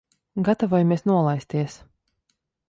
Gatavojamies nolaisties.